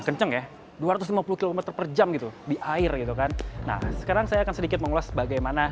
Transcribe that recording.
kenceng ya dua ratus lima puluh km per jam gitu di air gitu kan nah sekarang saya akan sedikit mengulas bagaimana